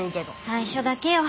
最初だけよ。